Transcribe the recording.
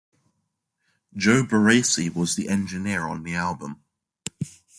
Joe Barresi was the engineer on the album.